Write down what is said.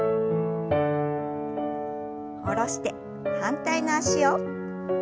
下ろして反対の脚を。